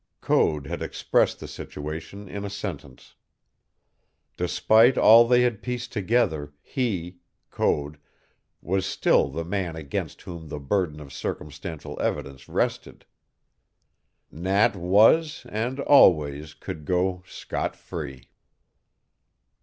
Code had expressed the situation in a sentence. Despite all they had pieced together he, Code, was still the man against whom the burden of circumstantial evidence rested. Nat was, and always could go, scot free.